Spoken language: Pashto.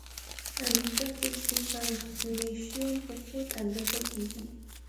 امریکا کې سوپرایلیویشن په فوټ اندازه کیږي